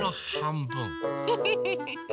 フフフフフ！